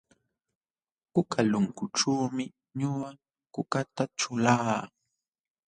Kukalunkućhuumi ñuqa kukata ćhulaa.